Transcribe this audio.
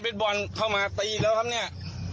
เป็นบอลเข้ามาตีแล้วครับเนี่ย